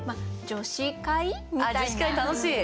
女子会楽しい。